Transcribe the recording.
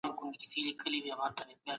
سياسي قدرت د شخصي ګټو له پاره مه کاروئ.